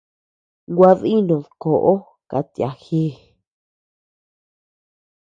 Gua dínud koʼo kat yagii.